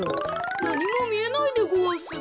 なにもみえないでごわす。